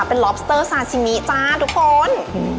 เป็นลอบสเตอร์ซาซิมิจ้าทุกคน